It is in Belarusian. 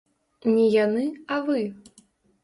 Не яны, а вы!